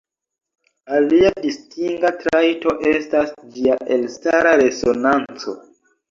Alia distinga trajto estas ĝia elstara resonanco.